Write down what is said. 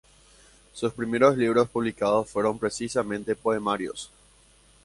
Sus primeros libros publicados fueron precisamente poemarios.